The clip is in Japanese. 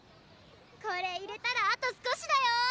これ入れたらあと少しだよ！